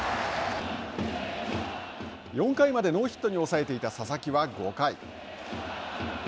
４回までノーヒットに抑えていた佐々木は５回。